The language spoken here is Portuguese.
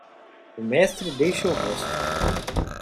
O mestre deixa o resto.